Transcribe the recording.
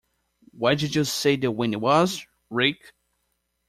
Where did you say the wind was, Rick?